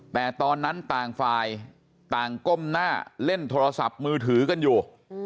แต่ตอนนั้นต่างฝ่ายต่างก้มหน้าเล่นโทรศัพท์มือถือกันอยู่